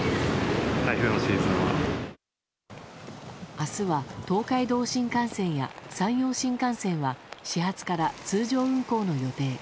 明日は東海道新幹線や山陽新幹線は始発から通常運行の予定。